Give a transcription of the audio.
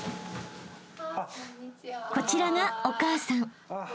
［こちらがお母さん］